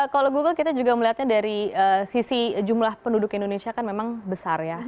kalau google kita juga melihatnya dari sisi jumlah penduduk indonesia kan memang besar ya